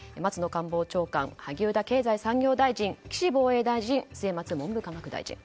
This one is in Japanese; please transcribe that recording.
官房長官萩生田経済産業大臣岸防衛大臣、末松文部科学大臣。